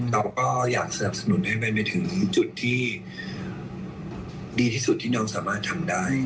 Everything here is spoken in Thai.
เราก็อยากสนับสนุนให้มันไปถึงจุดที่ดีที่สุดที่น้องสามารถทำได้